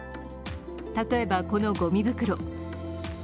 例えば、このごみ袋。